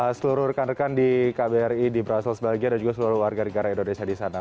semoga seluruh rekan rekan di kbri di brussels belgia dan juga seluruh warga negara indonesia di sana